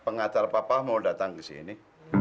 pengatar papa mau datang ke sini